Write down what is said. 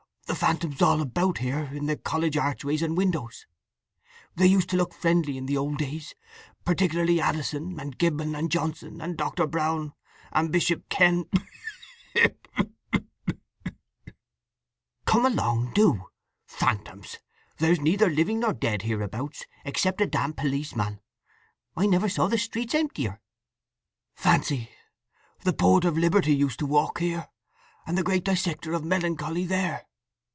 The phantoms all about here, in the college archways, and windows. They used to look friendly in the old days, particularly Addison, and Gibbon, and Johnson, and Dr. Browne, and Bishop Ken—" "Come along do! Phantoms! There's neither living nor dead hereabouts except a damn policeman! I never saw the streets emptier." "Fancy! The Poet of Liberty used to walk here, and the great Dissector of Melancholy there!"